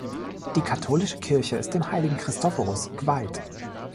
Die katholische Kirche ist dem Heiligen Christophorus geweiht.